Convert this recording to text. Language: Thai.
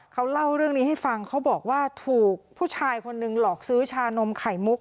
เขาเล่าเรื่องนี้ให้ฟังเขาบอกว่าถูกผู้ชายคนหนึ่งหลอกซื้อชานมไข่มุก